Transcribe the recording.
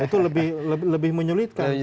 itu lebih menyulitkan